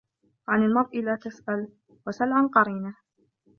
عن المرء لا تسأل وسل عن قرينه